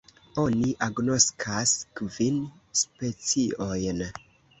Oni agnoskas kvin speciojn.